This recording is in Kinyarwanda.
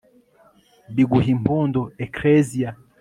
biguh'impundu, ekleziya